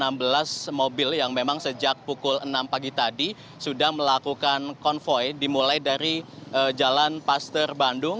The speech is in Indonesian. jadi ada enam belas mobil yang memang sejak pukul enam pagi tadi sudah melakukan konvoy dimulai dari jalan pasteur bandung